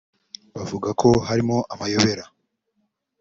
bavuga ko harimo amayobera